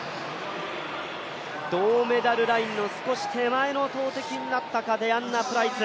銅メダルラインの少し手前の投てきになったか、デアンナプライス。